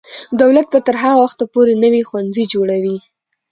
دولت به تر هغه وخته پورې نوي ښوونځي جوړوي.